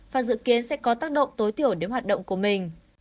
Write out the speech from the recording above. và dự kiến sẽ có tác động tối thiểu đến hoạt động của mình